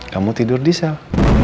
kamu tidur di sel